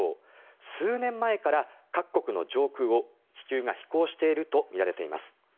数年前から各国の上空を気球が飛行しているとみられています。